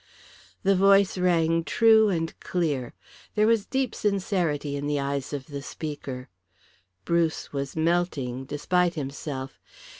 The voice ran true and clear; there was deep sincerity in the eyes of the speaker. Bruce was melting, despite himself.